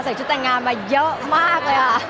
ชุดแต่งงานมาเยอะมากเลยค่ะ